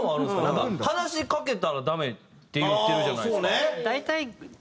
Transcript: なんか話しかけたらダメって言ってるじゃないですか。